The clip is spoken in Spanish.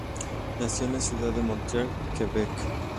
Nació en la ciudad de Montreal, Quebec.